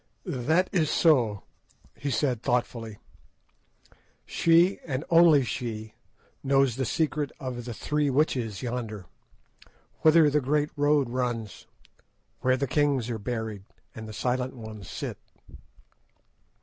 "That is so," he said thoughtfully. "She, and she only, knows the secret of the 'Three Witches,' yonder, whither the great road runs, where the kings are buried, and the Silent Ones sit."